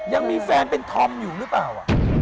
ยังมีแฟนเป็นธอมอยู่หรือเปล่า